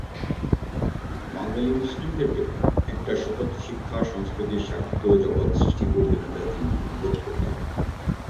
বাঙ্গালী মুসলিমদের একটা স্বতন্ত্র শিক্ষা, সংস্কৃতি, সাহিত্যের জগৎ সৃষ্টির প্রয়োজনীয়তা তিনি অনুভব করতেন।